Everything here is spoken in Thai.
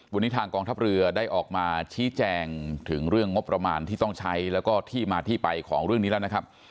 วันนี้ทางกองทัพเรือได้ออกมาชี้แจงถึงเรื่องงบประมาณที่ต้องใช้แล้วก็ที่มาที่ไปของเรื่องนี้แล้วนะครับ